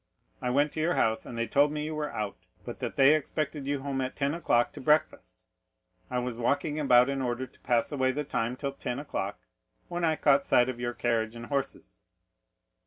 I went to your house, and they told me you were out, but that they expected you home at ten o'clock to breakfast. I was walking about in order to pass away the time till ten o'clock, when I caught sight of your carriage and horses."